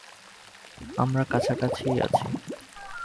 আমরা কাছাকাছিই আছি।